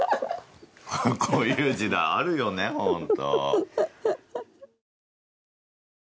こういう時代あるよね、ほんと。